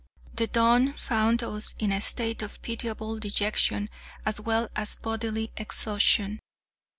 The dawn found us in a state of pitiable dejection as well as bodily exhaustion.